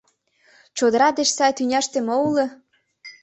Чодыра деч сай тӱняште мо уло!